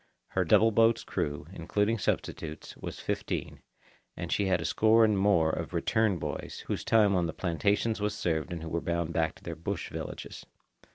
Her double boat's crew, including substitutes, was fifteen, and she had a score and more of "return" boys, whose time on the plantations was served and who were bound back to their bush villages.